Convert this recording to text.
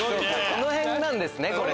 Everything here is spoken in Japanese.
この辺なんです。